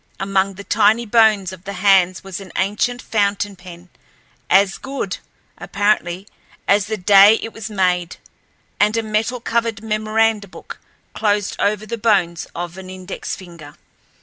Among the tiny bones of the hands was an ancient fountain pen, as good, apparently, as the day it was made, and a metal covered memoranda book, closed over the bones of an index finger.